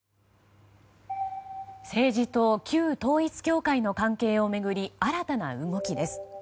政治と旧統一教会の関係を巡り新たな動きです。